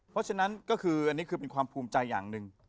เพราะฉะนั้นก็คืออันนี้คือเป็นความภูมิใจอย่างหนึ่ง